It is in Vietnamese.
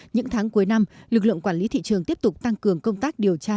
những tháng cuối năm lực lượng quản lý thị trường tiếp tục tăng cường công tác điều tra